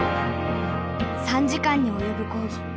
３時間に及ぶ講義。